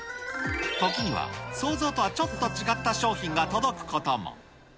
時には想像とはちょっと違った商品が届くことも。